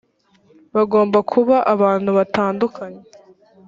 bagomba kuba abantu batanduye